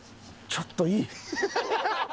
ちょっといい！